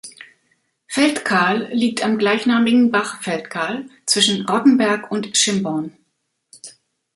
Feldkahl liegt am gleichnamigen Bach Feldkahl zwischen Rottenberg und Schimborn.